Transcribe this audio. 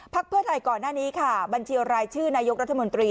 เพื่อไทยก่อนหน้านี้ค่ะบัญชีรายชื่อนายกรัฐมนตรี